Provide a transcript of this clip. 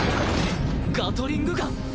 ガトリングガン！